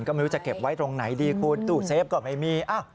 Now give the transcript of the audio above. ก็ไม่รู้จะเก็บไว้ตรงไหนดีคุณตู้เซฟก็ไม่มี